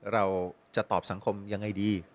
เราจะตอบสังคมยังไงดี